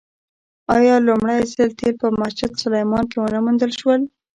آیا لومړی ځل تیل په مسجد سلیمان کې ونه موندل شول؟